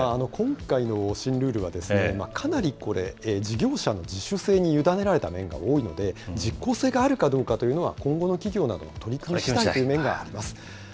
今回の新ルールは、かなりこれ、事業者の自主性に委ねられたところが多いので、実効性があるかどうかというのは、今後の企業などの取り組みしだいという面があります。